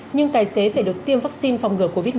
nhưng tài xế phải được tiêm vaccine phòng ngừa covid một mươi